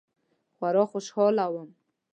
خورا خوشحاله وم.